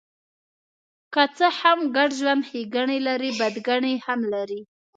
که څه هم ګډ ژوند ښېګڼې لري، بدګڼې هم لري.